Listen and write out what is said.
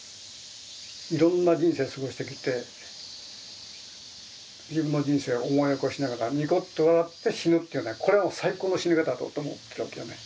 いろんな人生過ごしてきて自分の人生を思い起こしながらニコッと笑って死ぬっていうのがこれは最高の死に方だと思ってるわけよね。